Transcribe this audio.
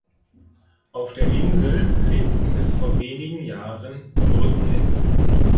Auf der Insel lebten bis vor wenigen Jahren Brückenechsen.